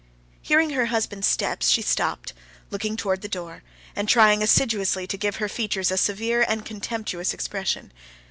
Hearing her husband's steps, she stopped, looking towards the door, and trying assiduously to give her features a severe and contemptuous expression.